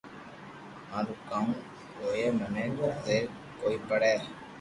مارو ڪاو ھوئي مني زبر ڪوئي پڙو